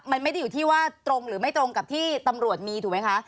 มันไม่ได้อยู่ที่ว่าตรงหรือไม่ตรงกับที่ตำรวจมีถูกไหมคะ